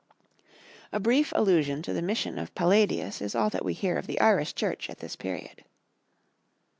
A brief allusion to the mission of Palladius is all that we hear of the Irish Church at this period.